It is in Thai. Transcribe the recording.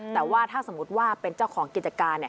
แต่ว่าถ้าสมมุติว่าเป็นเจ้าของกิจการ